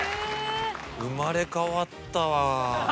生まれ変わったわ。